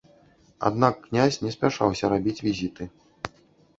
Аднак князь не спяшаўся рабіць візіты.